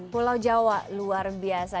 pulau jawa luar biasa